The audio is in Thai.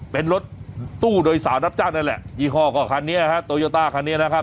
เป็นรถตู้โดยสารรับจ้างนั่นแหละยี่ห้อก็คันนี้ฮะโตโยต้าคันนี้นะครับ